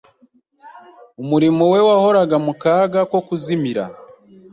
umurimo we wahoraga mu kaga ko kuzimira